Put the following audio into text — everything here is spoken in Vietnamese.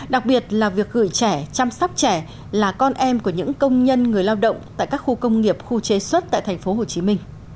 đặc biệt là việc gửi trẻ chăm sóc trẻ là con em của những công nhân người lao động tại các khu công nghiệp khu chế xuất tại tp hcm